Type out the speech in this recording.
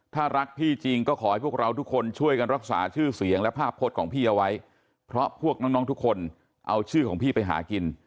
ถ้ารักพี่จริงก็ขอให้พวกเราทุกคนช่วยกันรักษาชื่อเสียงและภาพโพสต์ของพี่เอาไว้